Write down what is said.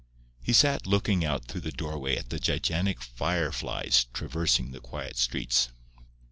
He sat looking out through the doorway at the gigantic fire flies traversing the quiet streets.